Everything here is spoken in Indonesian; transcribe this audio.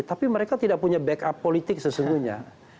tapi mereka tidak punya backup politik sesungguhnya